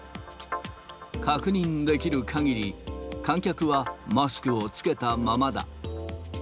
確認できるかぎり、観客はマスクを着けたままだ。